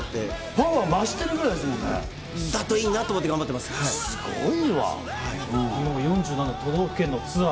パワー増してるぐらいですもだといいなと思って頑張って都道府県のツアー。